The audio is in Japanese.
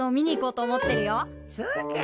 そうか。